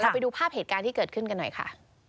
ไปดูภาพเหตุการณ์ที่เกิดขึ้นกันหน่อยค่ะ